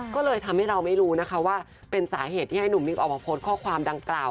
ก็เลยทำให้เราไม่รู้ว่าเป็นสาเหตุที่ให้หนุ่มมิลล์อุปกรณ์คอคความดังกล่าว